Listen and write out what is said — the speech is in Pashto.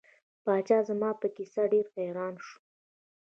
پاچا زما په کیسه ډیر حیران شو.